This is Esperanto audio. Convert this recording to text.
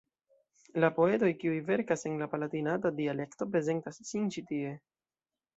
La poetoj, kiuj verkas en la palatinata dialekto prezentas sin ĉi tie.